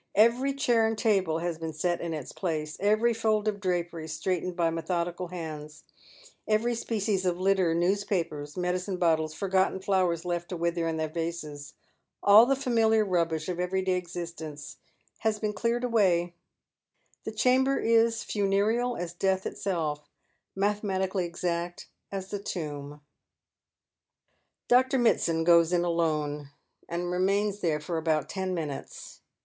Every chair and table has been set in its place ; every fold of drapery straightened by methodical hands ; every species of litter — newspapers, medicine bottles, forgotten flowers left to wither in their vases — all the familiar rubbish of every day existence has been cleared away — the chamber is funereal as death itself — mathematically exact as the tomb. Dr. Mitsand goes in alone, and remains there for about ten minutes.